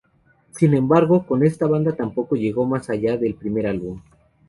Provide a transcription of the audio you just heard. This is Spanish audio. Sin embargo, con esta banda tampoco llegó más allá del primer álbum.